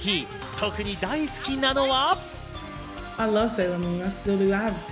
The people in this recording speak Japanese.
特に大好きなのは。